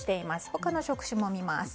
他の職種も見ます。